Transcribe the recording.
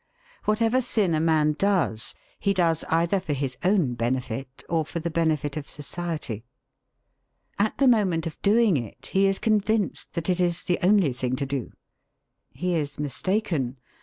Whatever sin a man does he does either for his own benefit or for the benefit of society. At the moment of doing it he is convinced that it is the only thing to do. He is mistaken.